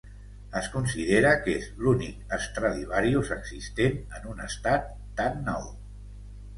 Es considera que és l'únic Stradivarius existent en un estat "tan nou".